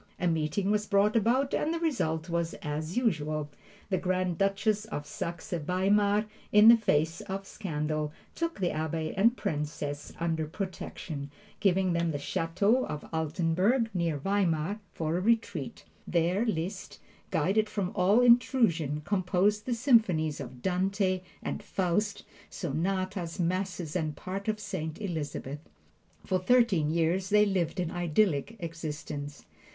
A meeting was brought about and the result was as usual. The Grand Duchess of Saxe Weimar, in the face of scandal, took the Abbe and Princess under protection, giving them the Chateau of Altenburg, near Weimar, for a retreat. There Liszt, guarded from all intrusion, composed the symphonies of "Dante" and "Faust," sonatas, masses and parts of "Saint Elizabeth." For thirteen years they lived an idyllic existence.